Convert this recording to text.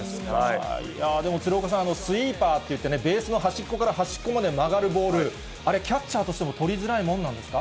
でも鶴岡さん、スイーパーっていってね、ベースの端っこから端っこまで曲がるボール、あれ、キャッチャーとしても捕りづらいものなんですか。